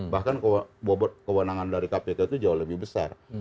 bahkan bobot kewenangan dari kpk itu jauh lebih besar